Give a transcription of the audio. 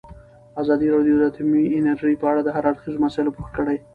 ازادي راډیو د اټومي انرژي په اړه د هر اړخیزو مسایلو پوښښ کړی.